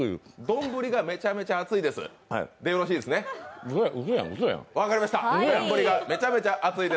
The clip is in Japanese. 丼がめちゃめちゃ熱い。